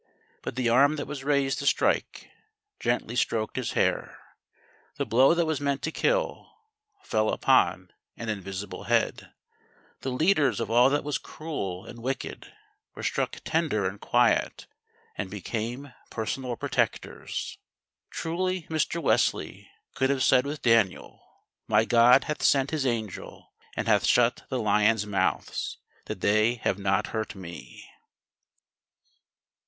But the arm that was raised to strike, gently stroked his hair; the blow that was meant to kill, fell upon an invisible head; the leaders of all that was cruel and wicked, were struck tender and quiet, and became personal protectors. Truly Mr. Wesley could have said with Daniel: "My God hath sent His angel, and hath shut the lions' mouths, that they have not hurt me."